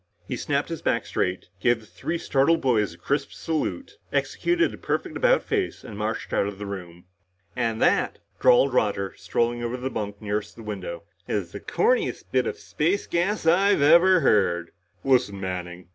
He snapped his back straight, gave the three startled boys a crisp salute, executed a perfect about face and marched out of the room. "And that," drawled Roger, strolling to the bunk nearest the window, "is the corniest bit of space gas I've ever heard." "Listen, Manning!"